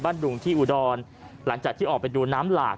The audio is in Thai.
ดุงที่อุดรหลังจากที่ออกไปดูน้ำหลาก